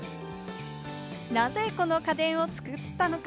なぜこの家電を作ったのか？